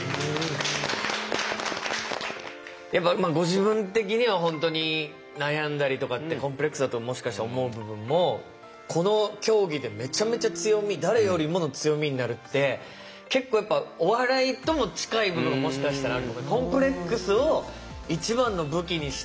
やっぱご自分的には本当に悩んだりとかってコンプレックスだともしかして思う部分もこの競技でめちゃめちゃ強み誰よりもの強みになるって結構やっぱお笑いとも近い部分がもしかしたらある。